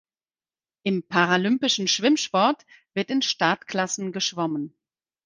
Im paralympischen Schwimmsport wird in Startklassen geschwommen.